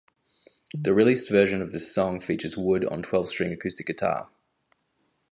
The released version of this song features Wood on twelve-string acoustic guitar.